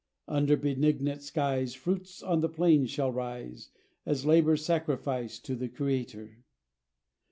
Under benignant skies, Fruits on the plains shall rise, As labour's sacrifice To the Creator.